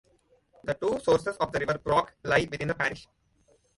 The two sources of the River Brock lie within the parish.